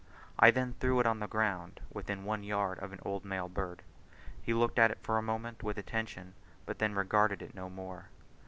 I then threw it on the ground, within one yard of an old male bird; he looked at it for a moment with attention, but then regarded it no more.